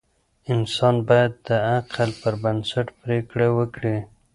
انسان باید د عقل پر بنسټ پریکړې وکړي.